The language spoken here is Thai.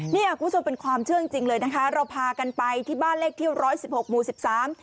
เนี่ยคุณผู้ชมเป็นความเชื่อจริงจริงเลยนะคะเราพากันไปที่บ้านเลขที่ร้อยสิบหกหมู่สิบสาม